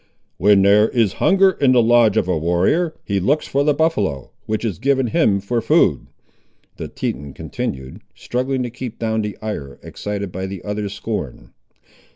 "When there is hunger in the lodge of a warrior, he looks for the buffaloe, which is given him for food," the Teton continued, struggling to keep down the ire excited by the other's scorn.